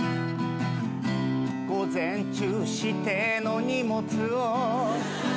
「午前中指定の荷物を」